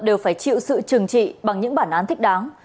đều phải chịu sự trừng trị bằng những bản án thích đáng